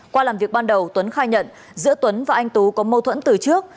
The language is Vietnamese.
qua làm việc ban đầu tuấn khai nhận giữa tuấn và anh tú có mâu thuẫn từ trước